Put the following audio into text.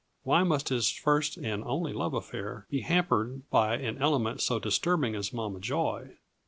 Why must his first and only love affair be hampered by an element so disturbing as Mama Joy?